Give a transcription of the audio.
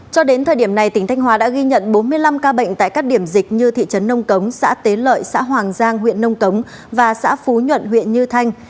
cho đến thời điểm này tỉnh thanh hóa đã ghi nhận bốn mươi năm ca bệnh tại các điểm dịch như thị trấn nông cống xã tế lợi xã hoàng giang huyện nông cống và xã phú nhuận huyện như thanh